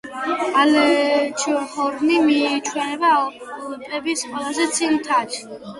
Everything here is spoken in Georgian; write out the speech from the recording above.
ალეჩჰორნი მიიჩნევა ალპების ყველაზე ცივ მთად.